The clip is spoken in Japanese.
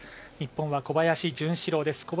日本は小林潤志郎です。